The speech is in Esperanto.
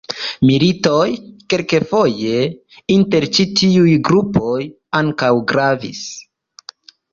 Militoj, kelkfoje inter ĉi tiuj grupoj, ankaŭ gravis.